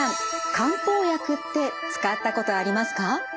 漢方薬って使ったことありますか？